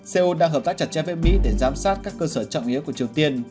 seoul đang hợp tác chặt chép với mỹ để giám sát các cơ sở trọng yếu của triều tiên